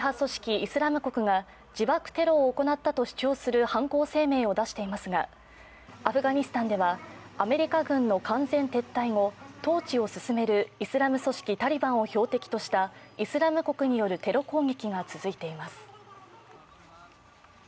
イスラム国が自爆テロを行ったと主張する犯行声明を出していますがアフガニスタンでは、アメリカ軍の完全撤退後、統治を進めるイスラム組織タリバンを標的としたイスラム国によるテロ攻撃が続いています。